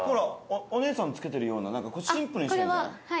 お姉さん着けてるようなシンプルにしたらいいんじゃない？